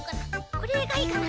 これがいいかな。